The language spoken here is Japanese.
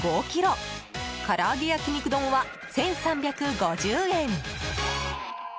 からあげ焼肉丼は１３５０円。